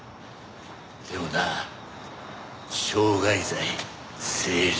でもな傷害罪成立。